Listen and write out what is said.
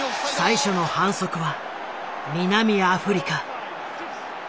最初の反則は南アフリカ。